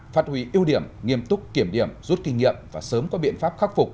phát huy ưu điểm nghiêm túc kiểm điểm rút kinh nghiệm và sớm có biện pháp khắc phục